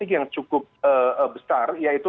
yang cukup besar yaitu